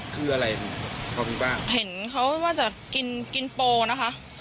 คืออะไรเขามีบ้างเห็นเขาว่าจะกินกินโปรนะคะ